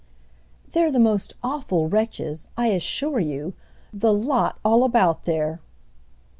"They're the most awful wretches, I assure you—the lot all about there."